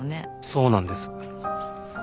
そうなんです。